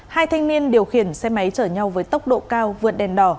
hai thanh niên điều khiển xe máy chở nhau với tốc độ cao vượt đèn đỏ